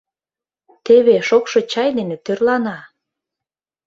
— Теве шокшо чай дене тӧрлана...